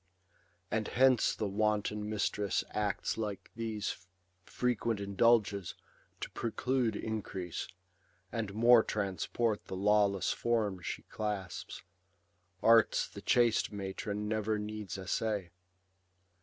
And hence the wanton mistress acts like these Frequent indulges, to preclude increase. And more transport the lawless form she clasps : Arts the chaste matron never needs essay.